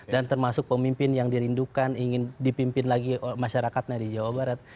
dan termasuk pemimpin yang dirindukan ingin dipimpin lagi masyarakatnya di jawa barat